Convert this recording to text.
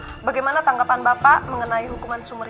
yang terjadi kepada bapak